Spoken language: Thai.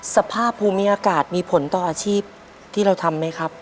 สภาพภูมิอากาศมีผลต่ออาชีพที่เราทำไหมครับ